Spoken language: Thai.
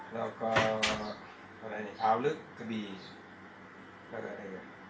ขอบพนมแล้วก็อะไรเนี่ยพร้าวลึกกะบีแล้วก็อะไรเนี่ย